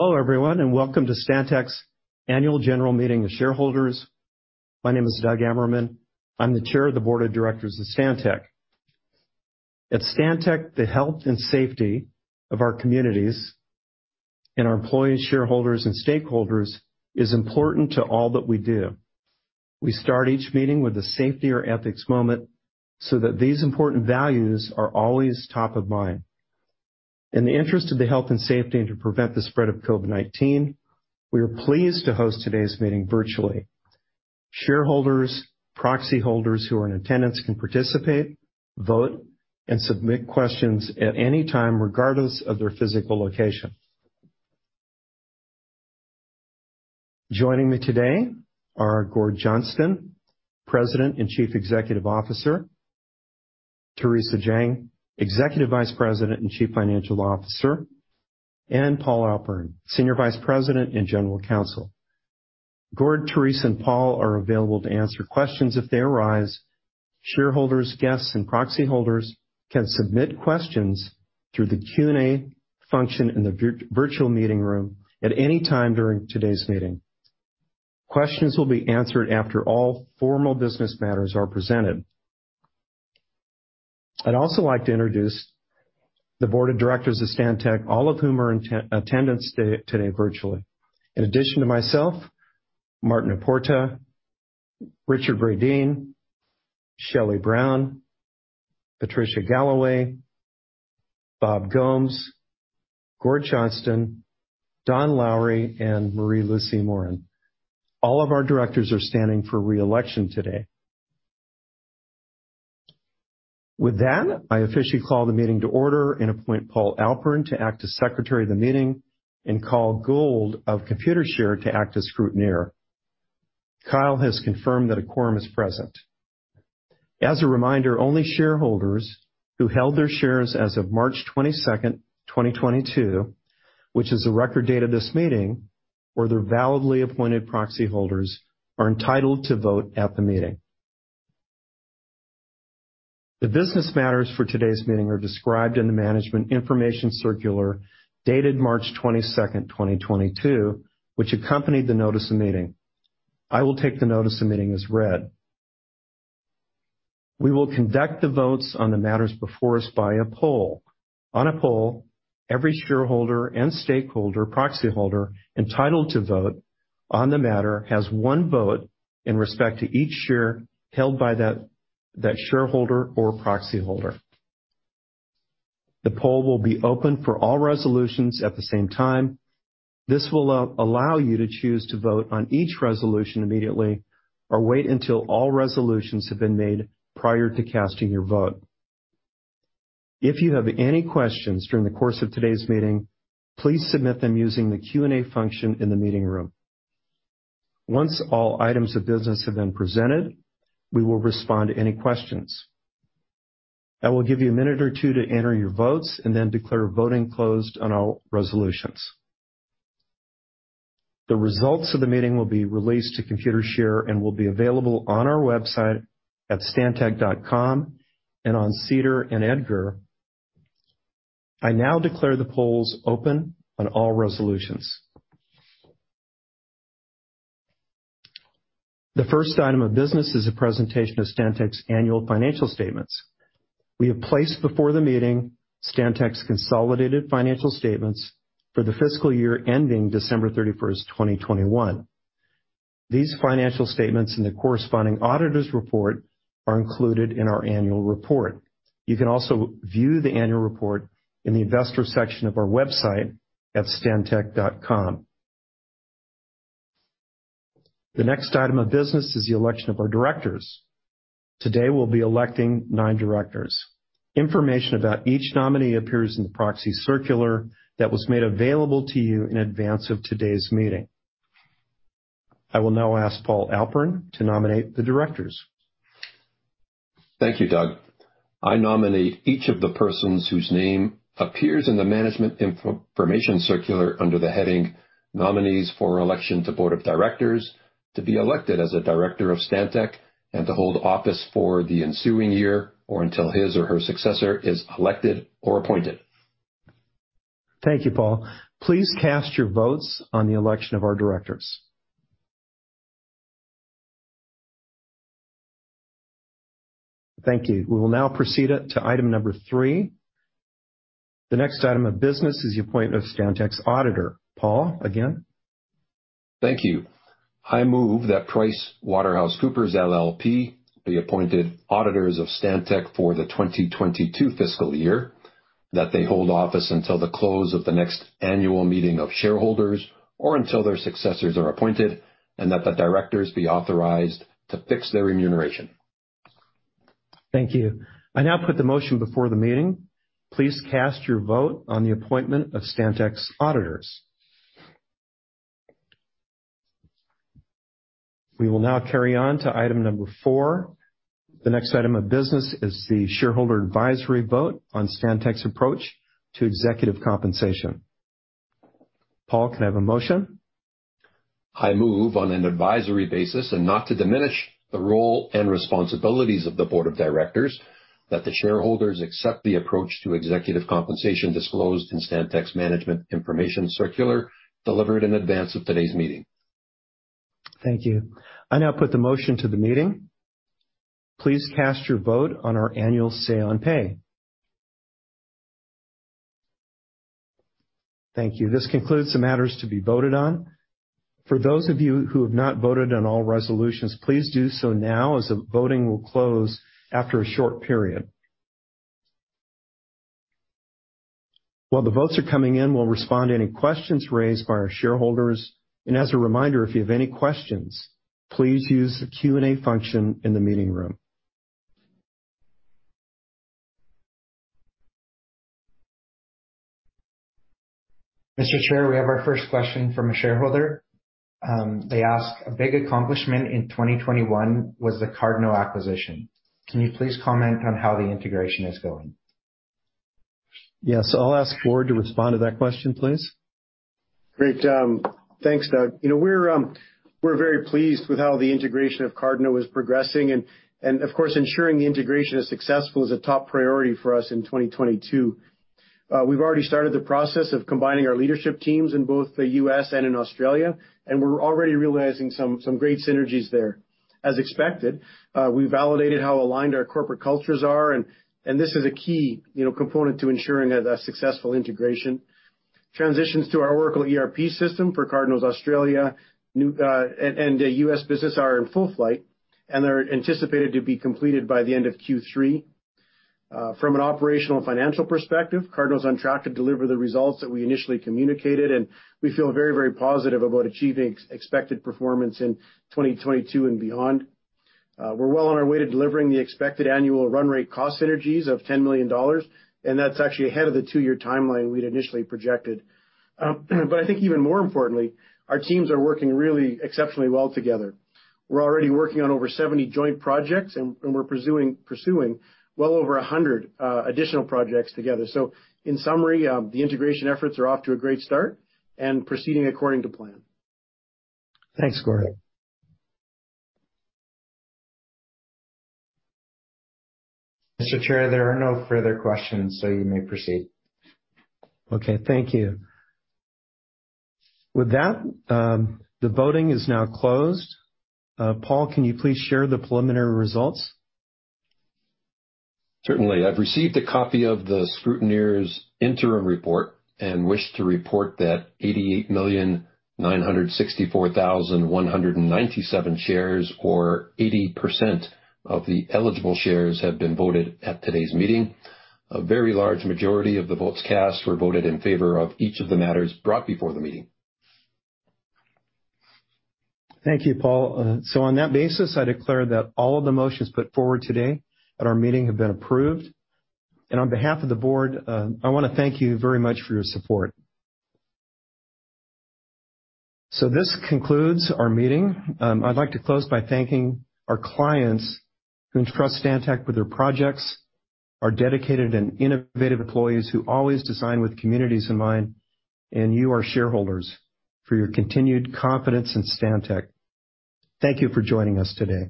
Hello, everyone, and welcome to Stantec's annual general meeting of shareholders. My name is Doug Ammerman. I'm the Chair of the Board of Directors of Stantec. At Stantec, the health and safety of our communities and our employees, shareholders, and stakeholders is important to all that we do. We start each meeting with a safety or ethics moment so that these important values are always top of mind. In the interest of the health and safety and to prevent the spread of COVID-19, we are pleased to host today's meeting virtually. Shareholders, proxy holders who are in attendance can participate, vote, and submit questions at any time, regardless of their physical location. Joining me today are Gord Johnston, President and Chief Executive Officer, Theresa Jang, Executive Vice President and Chief Financial Officer, and Paul Alpern, Senior Vice President and General Counsel. Gord, Theresa, and Paul are available to answer questions if they arise. Shareholders, guests, and proxy holders can submit questions through the Q&A function in the virtual meeting room at any time during today's meeting. Questions will be answered after all formal business matters are presented. I'd also like to introduce the board of directors of Stantec, all of whom are in attendance today virtually. In addition to myself, Martin a Porta, Richard Bradeen, Shelley Brown, Patricia Galloway, Bob Gomes, Gord Johnston, Don Lowry, and Marie-Lucie Morin. All of our directors are standing for re-election today. With that, I officially call the meeting to order and appoint Paul Alpern to act as secretary of the meeting and call Gold of Computershare to act as scrutineer. Kyle has confirmed that a quorum is present. As a reminder, only shareholders who held their shares as of March 22, 2022, which is the record date of this meeting, or their validly appointed proxy holders, are entitled to vote at the meeting. The business matters for today's meeting are described in the management information circular dated March 22, 2022, which accompanied the notice of the meeting. I will take the notice of the meeting as read. We will conduct the votes on the matters before us by a poll. On a poll, every shareholder and stakeholder, proxy holder entitled to vote on the matter has one vote in respect to each share held by that shareholder or proxy holder. The poll will be open for all resolutions at the same time. This will allow you to choose to vote on each resolution immediately or wait until all resolutions have been made prior to casting your vote. If you have any questions during the course of today's meeting, please submit them using the Q&A function in the meeting room. Once all items of business have been presented, we will respond to any questions. I will give you a minute or two to enter your votes and then declare voting closed on all resolutions. The results of the meeting will be released to Computershare and will be available on our website at stantec.com and on SEDAR and EDGAR. I now declare the polls open on all resolutions. The first item of business is a presentation of Stantec's annual financial statements. We have placed before the meeting Stantec's consolidated financial statements for the fiscal year ending December 31, 2021. These financial statements and the corresponding auditor's report are included in our annual report. You can also view the annual report in the investor section of our website at stantec.com. The next item of business is the election of our directors. Today, we'll be electing nine directors. Information about each nominee appears in the proxy circular that was made available to you in advance of today's meeting. I will now ask Paul Alpern to nominate the directors. Thank you, Doug. I nominate each of the persons whose name appears in the Management Information Circular under the heading Nominees for Election to Board of Directors, to be elected as a director of Stantec and to hold office for the ensuing year or until his or her successor is elected or appointed. Thank you, Paul. Please cast your votes on the election of our directors. Thank you. We will now proceed to item number three. The next item of business is the appointment of Stantec's auditor. Paul, again. Thank you. I move that PricewaterhouseCoopers LLP be appointed auditors of Stantec for the 2022 fiscal year, that they hold office until the close of the next annual meeting of shareholders or until their successors are appointed, and that the directors be authorized to fix their remuneration. Thank you. I now put the motion before the meeting. Please cast your vote on the appointment of Stantec's auditors. We will now carry on to item number four. The next item of business is the shareholder advisory vote on Stantec's approach to executive compensation. Paul, can I have a motion? I move on an advisory basis and not to diminish the role and responsibilities of the board of directors that the shareholders accept the approach to executive compensation disclosed in Stantec's management information circular delivered in advance of today's meeting. Thank you. I now put the motion to the meeting. Please cast your vote on our annual say on pay. Thank you. This concludes the matters to be voted on. For those of you who have not voted on all resolutions, please do so now as the voting will close after a short period. While the votes are coming in, we'll respond to any questions raised by our shareholders. As a reminder, if you have any questions, please use the Q&A function in the meeting room. Mr. Chair, we have our first question from a shareholder. They ask, a big accomplishment in 2021 was the Cardno acquisition. Can you please comment on how the integration is going? Yes, I'll ask Gord to respond to that question, please. Great. Thanks, Doug. You know, we're very pleased with how the integration of Cardno is progressing and, of course, ensuring the integration is successful is a top priority for us in 2022. We've already started the process of combining our leadership teams in both the U.S. and in Australia, and we're already realizing some great synergies there. As expected, we validated how aligned our corporate cultures are, and this is a key, you know, component to ensuring a successful integration. Transitions to our Oracle ERP system for Cardno's Australia and U.S. business are in full flight, and they're anticipated to be completed by the end of Q3. From an operational and financial perspective, Cardno is on track to deliver the results that we initially communicated, and we feel very, very positive about achieving expected performance in 2022 and beyond. We're well on our way to delivering the expected annual run rate cost synergies of $10 million, and that's actually ahead of the two-year timeline we'd initially projected. But I think even more importantly, our teams are working really exceptionally well together. We're already working on over 70 joint projects and we're pursuing well over 100 additional projects together. In summary, the integration efforts are off to a great start and proceeding according to plan. Thanks, Gord. Mr. Chair, there are no further questions, so you may proceed. Okay, thank you. With that, the voting is now closed. Paul, can you please share the preliminary results? Certainly. I've received a copy of the scrutineer's interim report and wish to report that 88,964,197 shares or 80% of the eligible shares have been voted at today's meeting. A very large majority of the votes cast were voted in favor of each of the matters brought before the meeting. Thank you, Paul. On that basis, I declare that all of the motions put forward today at our meeting have been approved. On behalf of the board, I wanna thank you very much for your support. This concludes our meeting. I'd like to close by thanking our clients who entrust Stantec with their projects, our dedicated and innovative employees who always design with communities in mind, and you, our shareholders, for your continued confidence in Stantec. Thank you for joining us today.